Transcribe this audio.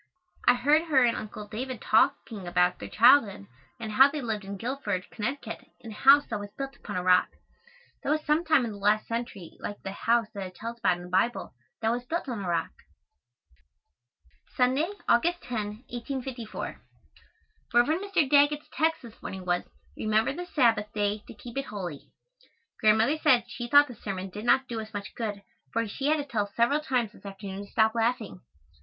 I heard her and Uncle David talking about their childhood and how they lived in Guilford, Conn., in a house that was built upon a rock. That was some time in the last century like the house that it tells about in the Bible that was built on a rock. Sunday, August 10, 1854. Rev. Mr. Daggett's text this morning was, "Remember the Sabbath day to keep it holy." Grandmother said she thought the sermon did not do us much good for she had to tell us several times this afternoon to stop laughing.